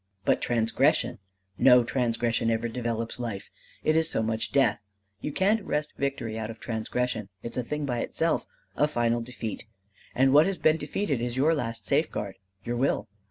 "But transgression! No transgression ever develops life; it is so much death. You can't wrest victory out of transgression: it's a thing by itself a final defeat. And what has been defeated is your last safeguard your will.